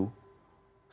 saya sendiri sendiri